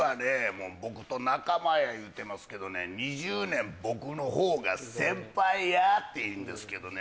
もう僕と仲間や言うてますけどね２０年僕のほうが先輩やって言うんですけどね